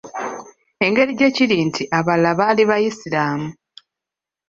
Engeri gye kiri nti abalala baali bayisiraamu.